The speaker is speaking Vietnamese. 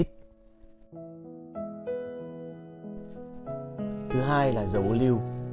thứ hai là dầu ô lưu